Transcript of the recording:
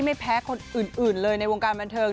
ไม่แพ้คนอื่นเลยในวงการบันเทิง